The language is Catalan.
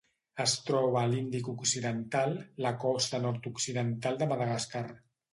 Es troba a l'Índic occidental: la costa nord-occidental de Madagascar.